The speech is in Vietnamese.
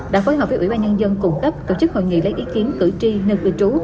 đã phối hợp với ủy ban nhân dân cung cấp tổ chức hội nghị lấy ý kiến cử tri nơi vị trú